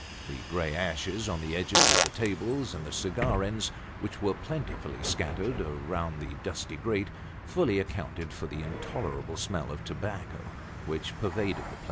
The grey ashes on the edges of the tables, and the cigar ends which were plentifully scattered about the dusty grate, fully accounted for the intolerable smell of tobacco which pervaded tho 34<5 Sketches by Bos.